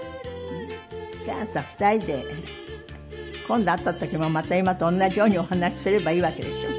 じゃあさ２人で今度会った時もまた今と同じようにお話しすればいいわけでしょ。